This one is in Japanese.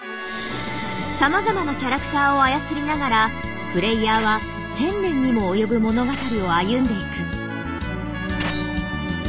さまざまなキャラクターを操りながらプレイヤーは１，０００年にも及ぶ物語を歩んでいく。